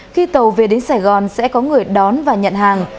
khi tàu về đến sài gòn sẽ có người đón và nhận hàng